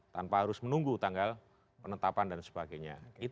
tanpa harus menunggu tanggal penetapan dan sebagainya